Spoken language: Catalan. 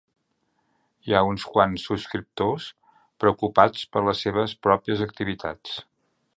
Hi ha uns quants subscriptors preocupats per les seves pròpies activitats.